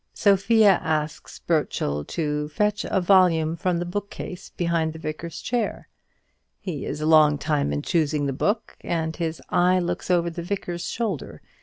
Sophia asks Burchell to fetch a volume from the bookcase behind the Vicar's chair. He is a long time choosing the book, and his eye looks over the Vicar's shoulder.